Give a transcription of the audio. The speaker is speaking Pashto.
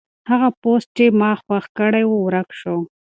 هغه پوسټ چې ما خوښ کړی و ورک شو.